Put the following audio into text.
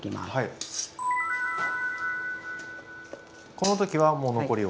この時はもう残りを。